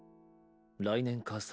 来年かさ